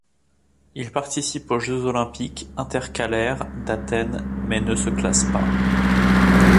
Il participe aux Jeux olympiques intercalaires d'Athènes mais ne se classe pas.